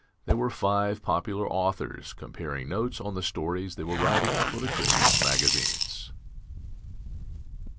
They were five popular authors comparing notes on the stories they were writing for the Christmas magazines.